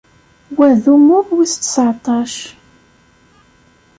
Wa d umuɣ wis tseɛṭac.